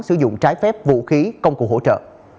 sử dụng trái phép vũ khí công cụ hỗ trợ